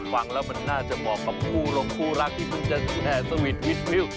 ฟังแล้วมันน่าจะเหมาะกับผู้รักที่เพิ่งจะแทร่สวิทวิทวิว